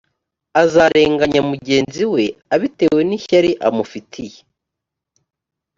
azarenganya mugenzi we abitewe n’ishyari amufitiye